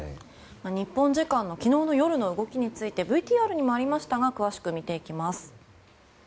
日本時間の昨日夜の動きについてＶＴＲにもありましたが詳しく見ていきます。